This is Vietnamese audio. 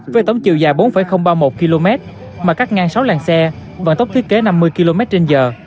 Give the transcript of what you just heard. với tổng chiều dài bốn ba mươi một km mà cắt ngang sáu làng xe vận tốc thiết kế năm mươi km trên giờ